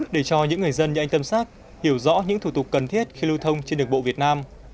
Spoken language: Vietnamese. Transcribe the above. để cho những người dân như anh tâm xác hiểu rõ những thủ tục cần thiết khi lưu thông trên đường bộ việt nam